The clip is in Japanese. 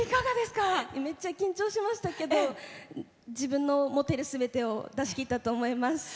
めっちゃ緊張しましたけど自分の持てるすべてを出しきったと思います。